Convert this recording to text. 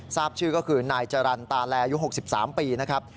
ทราบชื่อก็คือนายจรรย์ตาแลอายุ๖๓ปีนะครับ